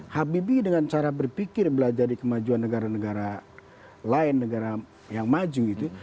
habibie dengan cara berpikir belajar di kemajuan negara negara lain negara yang maju gitu